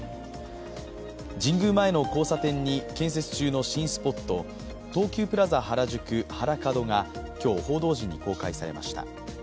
神宮前の交差点に建設中の新スポット東急プラザ原宿、ハラカドが今日、報道陣に公開されました。